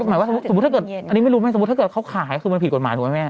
อันนี้ไม่รู้ไงสมมุติถ้าเกิดเขาขายคือเป็นผิดกฎหมายถูกไหมแม่